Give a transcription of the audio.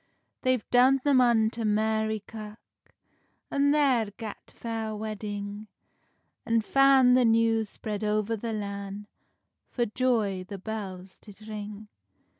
They've done them unto Mary kirk, An there gat fair wedding, An fan the news spread oer the lan, For joy the bells did ring.